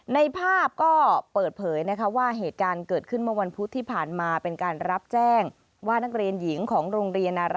ในภาพก็เปิดเผยนะคะว่าเหตุการณ์เกิดขึ้นเมื่อวันพุธที่ผ่านมาเป็นการรับแจ้งว่านักเรียนหญิงของโรงเรียน